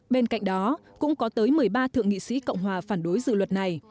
bên cạnh đó cũng có tới một mươi ba thượng nghị sĩ cộng hòa phản đối dự luật này